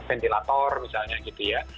ventilator misalnya gitu ya